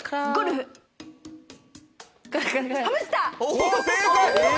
おぉ正解！